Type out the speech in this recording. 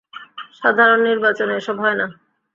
সাধারন নির্বাচনে এসব হয় না?